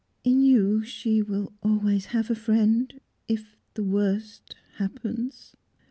"In you she will always have a friend? If the worst happens